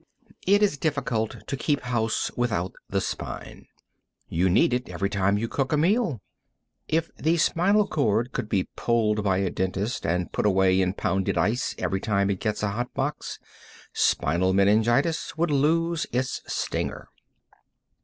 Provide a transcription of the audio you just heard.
It is difficult to keep house without the spine. You need it every time you cook a meal. If the spinal cord could be pulled by a dentist and put away in pounded ice every time it gets a hot box, spinal meningitis would lose its stinger.